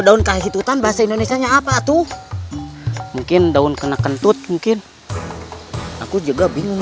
daun kahitutan bahasa indonesia nya apa tuh mungkin daun kena kentut mungkin aku juga bingung